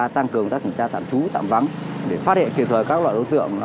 tăng cường các kiểm tra tạm trú tạm vắng để phát hiện kiểm soát các loại đối tượng